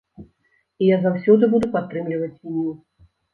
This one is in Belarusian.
І я заўсёды буду падтрымліваць вініл.